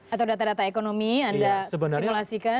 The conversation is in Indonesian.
atau data data ekonomi anda simulasikan